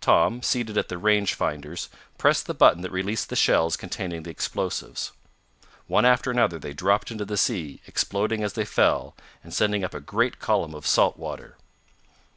Tom, seated at the range finders, pressed the button that released the shells containing the explosives. One after another they dropped into the sea, exploding as they fell, and sending up a great column of salt water.